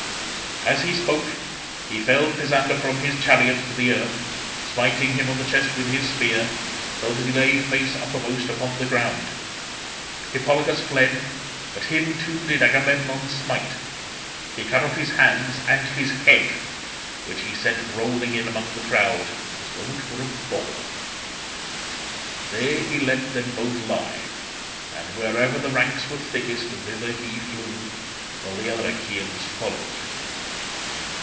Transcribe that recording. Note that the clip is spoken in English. As he spoke he felled Pisander from his chariot to the earth, smiting him on the chest with his spear, so that he lay face uppermost upon the ground. Hippolochus fled, but him too did Agamemnon smite; he cut off his hands and his head—which he sent rolling in among the crowd as though it were a ball. There he let them both lie, and wherever the ranks were thickest thither he flew, while the other Achaeans followed.